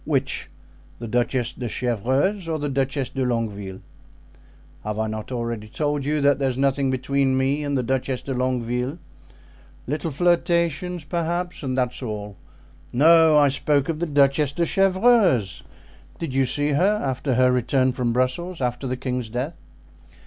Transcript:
"Which—the Duchess de Chevreuse or the Duchess de Longueville?" "Have I not already told you that there is nothing between me and the Duchess de Longueville? Little flirtations, perhaps, and that's all. No, I spoke of the Duchess de Chevreuse; did you see her after her return from Brussels, after the king's death?"